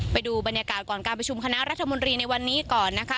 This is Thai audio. ไปดูบรรยากาศก่อนการประชุมคณะรัฐมนตรีในวันนี้ก่อนนะคะ